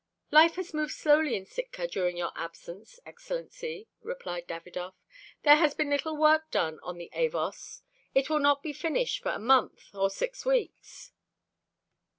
"Life has moved slowly in Sitka during your absence, Excellency," replied Davidov. "There has been little work done on the Avos. It will not be finished for a month or six weeks."